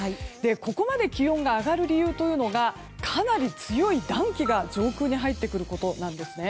ここまで気温が上がる理由というのがかなり強い暖気が上空に入ってくることなんですね。